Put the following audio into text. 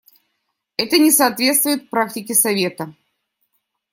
Это не соответствует практике Совета.